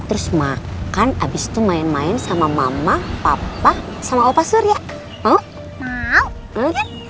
terus makan habis itu main main sama mama papa sama opa surya mau mau mau